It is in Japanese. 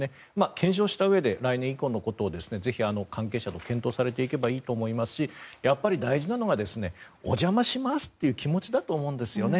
検証したうえで来年以降のことをぜひ関係者と検討されていけばいいと思いますしやはり大事なのはお邪魔しますという気持ちだと思うんですよね。